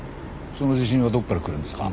その自信はどこから来るんですか？